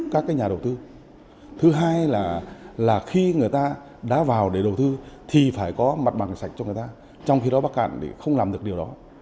các nhà đầu tư thứ hai là khi người ta đã vào để đầu tư thì phải có mặt bằng sạch cho người ta trong khi đó bắc cạn để không làm được điều đó